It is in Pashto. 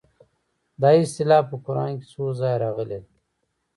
دا اصطلاح په قران کې څو ځایه راغلې ده.